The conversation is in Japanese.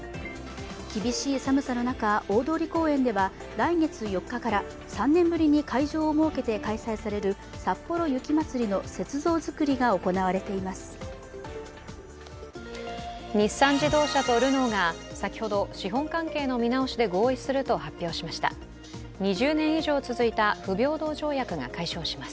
厳しい寒さの中、大通公園では来月４日から３年ぶりに会場を設けて開催されるさっぽろ雪まつりの雪像作りが行われています。